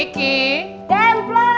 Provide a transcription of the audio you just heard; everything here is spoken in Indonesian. ski dan plan